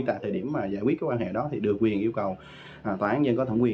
tại thời điểm giải quyết quan hệ đó thì được quyền yêu cầu tòa án nhân có thẩm quyền